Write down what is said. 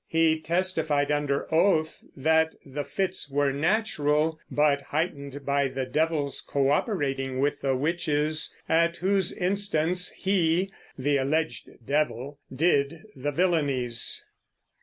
He testified under oath that "the fits were natural, but heightened by the devil's coöperating with the witches, at whose instance he [the alleged devil] did the villainies."